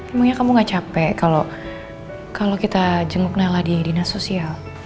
emangnya kamu gak capek kalau kita jenguk nala di dinas sosial